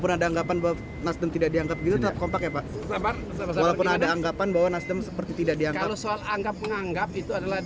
yang penting kan komitmennya